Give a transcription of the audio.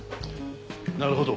なるほど。